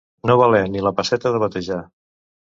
No valer ni la pesseta de batejar.